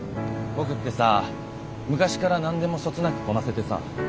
僕ってさ昔から何でもそつなくこなせてさ。